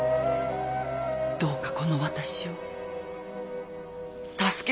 どうかこの私を助けてはくれぬか？